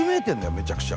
めちゃくちゃ。